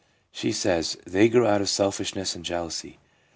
She says :' They grew out of selfishness and jealousy.